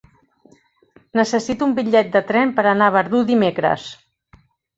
Necessito un bitllet de tren per anar a Verdú dimecres.